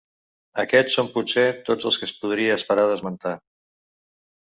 Aquests són potser tots els que es podria esperar d'esmentar.